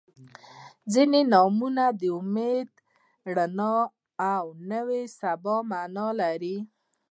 • ځینې نومونه د امید، رڼا او نوې سبا معنا لري.